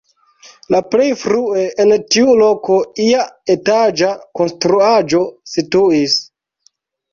La plej frue en tiu loko ia etaĝa konstruaĵo situis.